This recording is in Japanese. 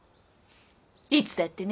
いつだってね。